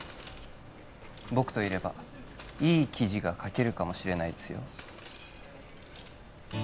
僕といればいい記事が書けるかもしれないですよ